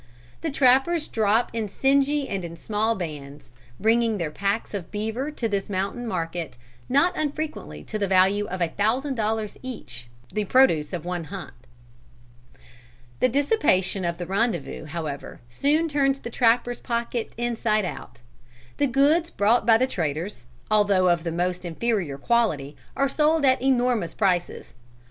The trappers drop in singly and in small bands, bringing their packs of beaver to this mountain market, not unfrequently to the value of a thousand dollars each, the produce of one hunt. The dissipation of the rendezvous, however, soon turns the trapper's pocket inside out. The goods brought by the traders, although of the most inferior quality, are sold at enormous prices.